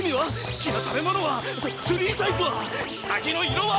ススリーサイズは？